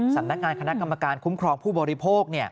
สำนักงานคณะกรรมการคุ้มครองผู้บริโภค